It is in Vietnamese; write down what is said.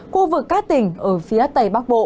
khu vực các tỉnh ở phía tây bắc bộ